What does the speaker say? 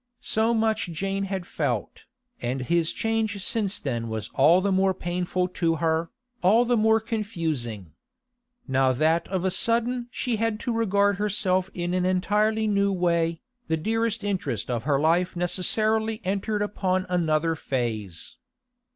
So much Jane had felt, and his change since then was all the more painful to her, all the more confusing. Now that of a sudden she had to regard herself in an entirely new way, the dearest interest of her life necessarily entered upon another phase.